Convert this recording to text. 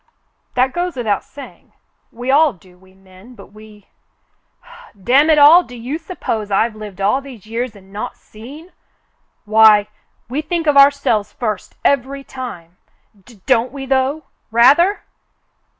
That goes without saying. We all do, we men, but we — damn it all ! Do you sup pose I've lived all these years and not seen ? Why — w^e think of ourselves first every time. D — don't we, though ? Rather!"